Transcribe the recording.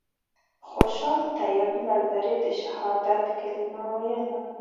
خوشحال طیب له لرې د شهادت کلمه ویله.